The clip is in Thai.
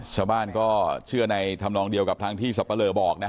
ชาวบ้านก็เชื่อในทำลองเดียวกับทั้งที่สัปเปรื่องบอกนะฮะ